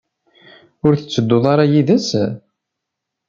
Ur tettedduḍ ara yid-s?